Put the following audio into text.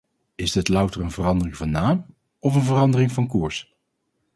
Is dit louter een verandering van naam of een verandering van koers?